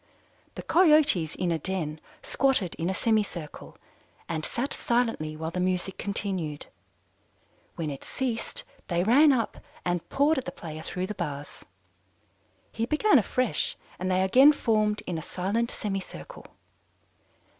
"The Coyotes in a den, squatted in a semicircle, and sat silently while the music continued. When it ceased, they ran up and pawed at the player through the bars. He began afresh, and they again formed in a silent semicircle.